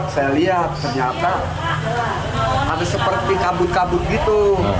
saya lihat ternyata ada seperti kabut kabut gitu